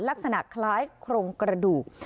ลักษณะคล้ายโครงกระดูก